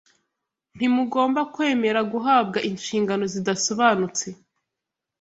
Ntimugomba kwemera guhabwa inshingano zidasobanutse